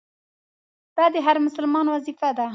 دا د هر مسلمان وظیفه ده.